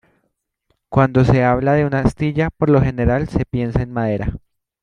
Cuando se habla de una astilla, por lo general se piensa en madera.